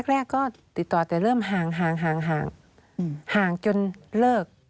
แรกก็ติดต่อแต่เริ่มห่างห่างจนเลิก